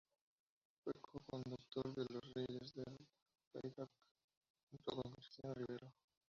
Fue co-conductor de "Los Reyes del Playback" junto con Cristian Rivero.